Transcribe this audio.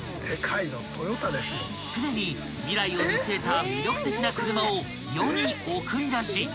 ［常に未来を見据えた魅力的な車を世に送り出し］